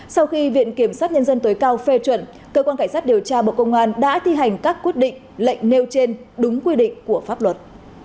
sau khi viện kiểm sát nhân dân tối cao phê chuẩn cơ quan cảnh sát điều tra bộ công an đã thi hành các quyết định lệnh nêu trên đúng quy định của pháp luật